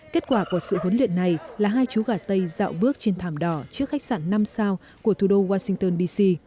kết quả của sự huấn luyện này là hai chú gà tây dạo bước trên thảm đỏ trước khách sạn năm sao của thủ đô washington dc